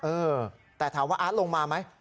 เออแต่ถามว่าอาร์ตลงมาไหม